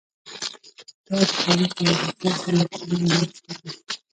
دا د تاریخ یوه حساسه مقطعه رامنځته کړه.